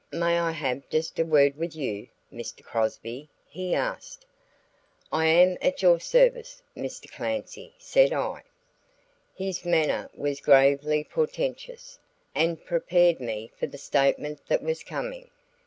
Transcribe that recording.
"May I have just a word with you, Mr. Crosby?" he asked. "I am at your service, Mr. Clancy," said I. His manner was gravely portentous and prepared me for the statement that was coming.